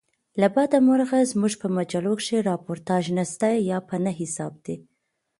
له بده مرغه زموږ په مجلوکښي راپورتاژ نسته یا په نه حساب دئ.